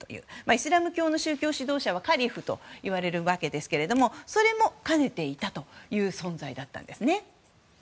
イスラム教の宗教指導者はカリフといわれるわけですがそれも、兼ねていたという存在だったんです。